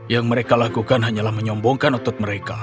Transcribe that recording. yang mereka lakukan hanyalah menyombongkan otot mereka